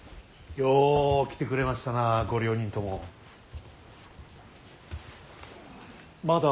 よう来てくれましたなご両人とも。